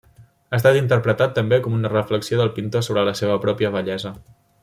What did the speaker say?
Ha estat interpretat també com una reflexió del pintor sobre la seva pròpia vellesa.